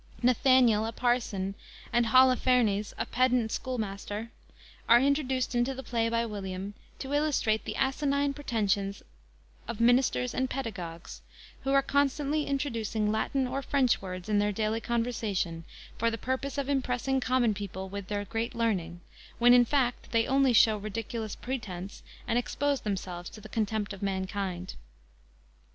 Nathaniel, a parson, and Holofernes, a pedant schoolmaster, are introduced into the play by William to illustrate the asinine pretensions of ministers and pedagogues, who are constantly introducing Latin or French words in their daily conversation, for the purpose of impressing common people with their great learning, when, in fact, they only show ridiculous pretense and expose themselves to the contempt of mankind.